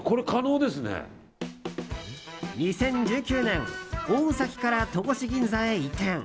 ２０１９年大崎から戸越銀座へ移転。